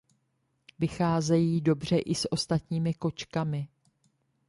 Vycházejí dobře i s ostatními kočkami.